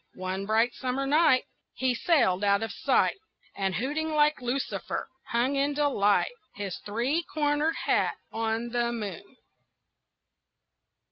One bright summer night He sailed out of sight, And, hooting like Lucifer, hung in delight His three cornered hat on the moon.